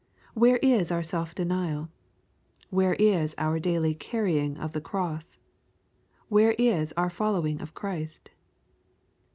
Where is our self denial ? Where is our daily carrying of the cross ? Where is our follow ing of Christ